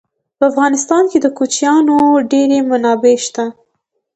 په افغانستان کې د کوچیانو ډېرې منابع شته.